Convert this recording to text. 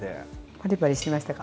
パリパリしてましたか？